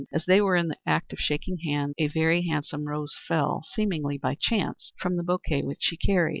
As they were in the act of shaking hands a very handsome rose fell seemingly by chance from the bouquet which she carried.